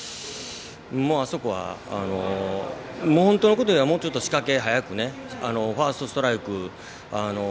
あそこはもうちょっといえばもうちょっと仕掛けを早くファーストストライクから。